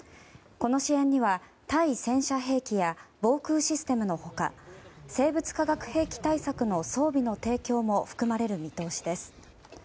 この支援には対戦車兵器や防空システムの他生物・化学兵器対策の装備の提供も含まれる見通しです。